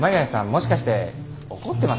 もしかして怒ってます？